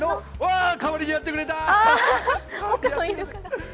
あー、代わりにやってくれた。